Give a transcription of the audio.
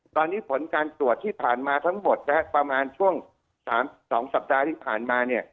ตอนนี้ผลการตรวจที่ผ่านมาทั้งหมดนะฮะประมาณช่วง๓๒สัปดาห์ที่ผ่านมาเนี่ย